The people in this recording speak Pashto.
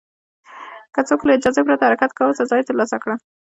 که څوک له اجازې پرته حرکت کاوه، سزا یې ترلاسه کړه.